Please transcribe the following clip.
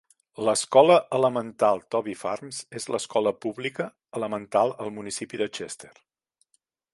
L'escola Elemental Toby Farms és l'escola pública elemental al municipi de Chester.